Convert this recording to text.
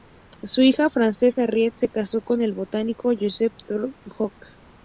Su hija Frances Harriet se casó con el botánico Joseph Dalton Hooker.